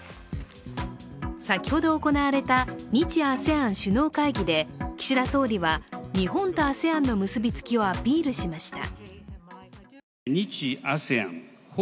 先ほど行われた日ＡＳＥＡＮ首脳会議で岸田総理は日本とＡＳＥＡＮの結びつきをアピールしました。